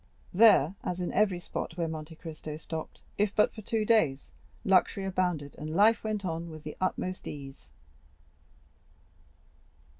There, as in every spot where Monte Cristo stopped, if but for two days, luxury abounded and life went on with the utmost ease.